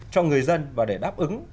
cho người dân và để đáp ứng